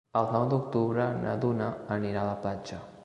El nou d'octubre na Duna anirà a la platja.